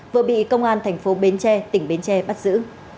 vừa bị công an tp bến tre tỉnh bến tre bắt giữ